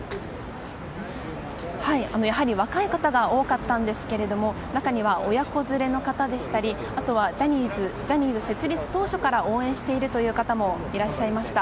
やはり若い方が多かったんですけども中には、親子連れの方でしたりあとはジャニーズ設立当初から応援しているという方もいらっしゃいました。